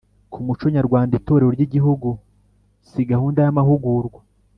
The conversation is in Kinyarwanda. ku muco nyarwanda itorero ry’igihugu si gahunda y’amahugurwa